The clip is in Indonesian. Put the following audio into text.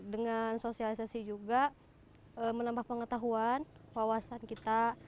dengan sosialisasi juga menambah pengetahuan wawasan kita